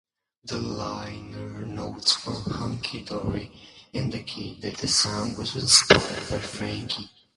The liner notes for "Hunky Dory" indicate that the song was "inspired by Frankie".